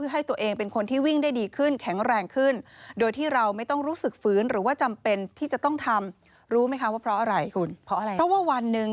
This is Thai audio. หวานอยู่เหมือนกันนะคุณ